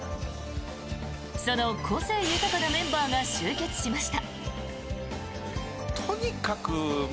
その個性豊かなメンバーが集結しました。